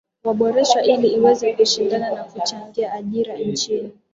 Wanboresha ili iweze kushindana na kuchangia ajira nchini